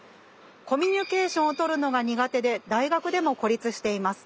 「コミュニケーションを取るのが苦手で大学でも孤立しています。